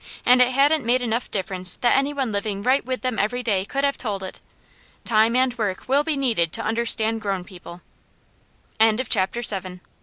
And it hadn't made enough difference that any one living right with them every day could have told it. Time and work will be needed to understand grown people. CHAPTER VIII The Shropshire and the Crusader "